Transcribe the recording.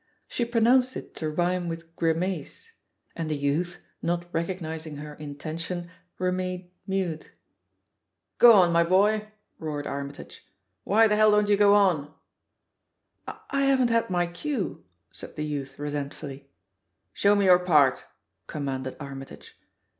She pronounced it to rhyme with "grimace," and ihe youth, not recognising her intention, remained mute. "Go on, my boy," roared Armytage; "why the hell don't you go on?" "I haven't had my cue," said the youth resent fuUy. THE POSITION OF PEGGY HARPER 4fii cc Show me your part," commanded Armytage.